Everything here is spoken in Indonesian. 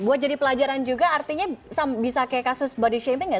buat jadi pelajaran juga artinya bisa kayak kasus body shamping nggak